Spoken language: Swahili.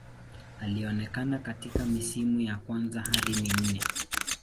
Alionekana katika misimu ya kwanza hadi minne.